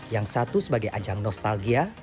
yang satu sebagai ajang nostalgia